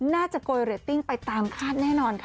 โกยเรตติ้งไปตามคาดแน่นอนค่ะ